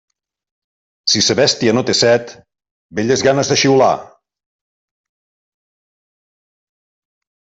Si sa bèstia no té set, belles ganes de xiular.